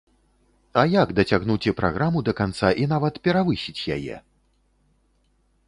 А як дацягнуць і праграму да канца і нават перавысіць яе?